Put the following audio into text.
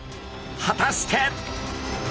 果たして。